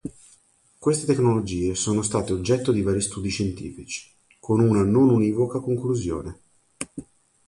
Queste tecnologie sono state oggetto di vari studi scientifici, con una non univoca conclusione.